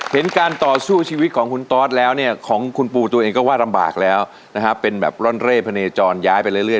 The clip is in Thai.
เห็นการต่อสู้ชีวิตของคุณตอสแล้วเนี่ยของคุณปูตัวเองก็ว่าลำบากแล้วนะฮะเป็นแบบร่อนเร่พะเนจรย้ายไปเรื่อย